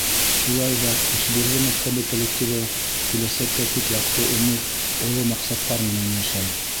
Шулай ҙа Ишбирҙе мәктәбе коллективы киләсәккә тик яҡты өмөт, оло маҡсаттар менән йәшәй.